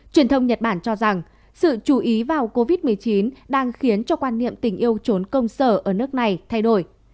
truyền thông nhật bản cho rằng sự chú ý vào covid một mươi chín đang khiến cho quan niệm tình yêu trốn công sở ở nước này thay đổi